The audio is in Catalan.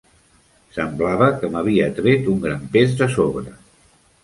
Semblava que m"havia tret un gran pes de sobre.